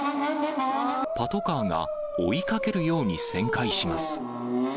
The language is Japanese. パトカーが追いかけるように旋回します。